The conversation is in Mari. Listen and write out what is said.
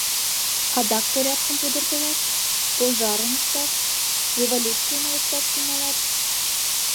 Адак порядкым пудыртылаш, пожарым ышташ, революцийым ылыжташ тӱҥалат?